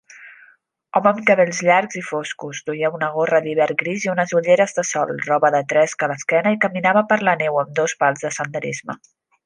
Home amb cabells llargs i foscos, duia una gorra d'hivern gris i unes ulleres de sol, roba de tresc a l'esquena, i caminava per la neu amb dos pals de senderisme